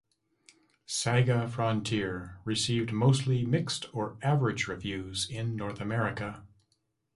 "SaGa Frontier" received mostly mixed or average reviews in North America.